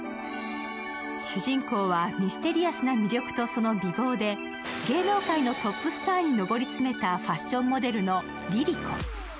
主人公はミステリアスな魅力とその美貌で芸能界のトップスターに上り詰めたファッションモデルのりりこ。